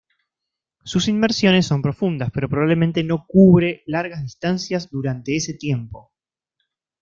Sus inmersiones son profundas, pero probablemente no cubre largas distancias durante ese tiempo.